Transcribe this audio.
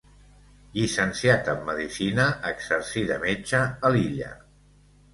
Llicenciat en medicina, exercí de metge a l'illa.